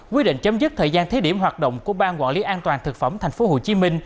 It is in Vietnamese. quy định chấm dứt thời gian thế điểm hoạt động của ban quản lý an toàn thực phẩm tp hcm